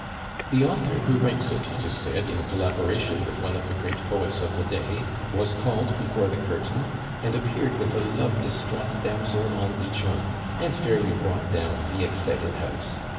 The author, who writes it, it is said, in collaboration with one of the great poets of the day, was called before the curtain, and appeared with a love distraught damsel on each arm, and fairly brought down the excited house.